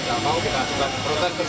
kalau mau kita juga protes terus terus